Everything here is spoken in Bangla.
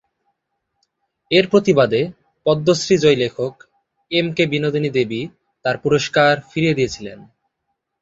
এর প্রতিবাদে পদ্মশ্রী জয়ী লেখক এম কে বিনোদিনী দেবী তাঁর পুরস্কার ফিরিয়ে দিয়েছিলেন।